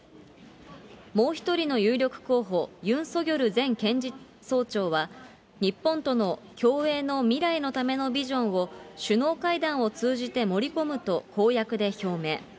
もう１人の有力候補、ユン・ソギョル前検事総長は日本との共栄の未来のためのビジョンを、首脳会談を通じて盛り込むと公約で表明。